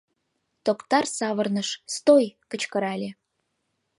Токтар савырныш, — «стой» — кычкырале.